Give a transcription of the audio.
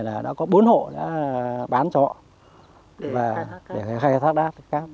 cái này là đã có bốn hộ đã bán cho họ để khai thác cát